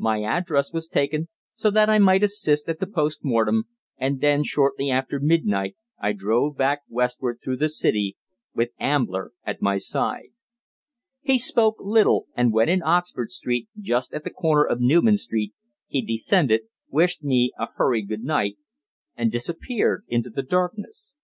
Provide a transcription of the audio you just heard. My address was taken, so that I might assist at the post mortem, and then, shortly after midnight I drove back westward through the City with Ambler at my side. He spoke little, and when in Oxford Street, just at the corner of Newman Street, he descended, wished me a hurried good night, and disappeared into the darkness.